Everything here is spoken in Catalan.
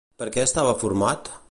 Per què estava format?